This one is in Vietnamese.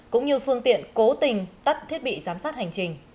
cũng như phương tiện cố tình tắt thiết bị giám sát hành trình